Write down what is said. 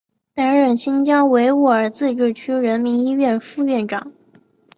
担任新疆维吾尔自治区人民医院副院长。